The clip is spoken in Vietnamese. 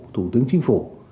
thủ tướng chính phủ